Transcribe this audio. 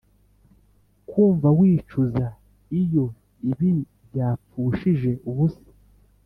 kumva wicuza iyo ibi byapfushije ubusa